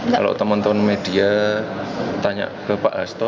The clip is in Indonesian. kalau teman teman media tanya ke pak hasto